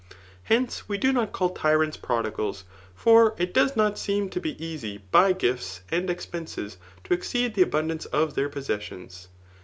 Ifence, we do npt call tynms prodigak ; for it does not seem to be easy by gifis and eypenaes to exceed the abundance of their possessions.